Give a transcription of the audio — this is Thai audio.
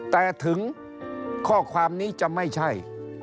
แต่ถึงข้อความนี้จะไม่ใช่